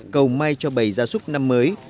cầu may cho bày gia súc năm mới